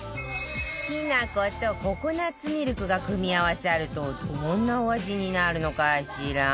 きなことココナッツミルクが組み合わさるとどんなお味になるのかしら？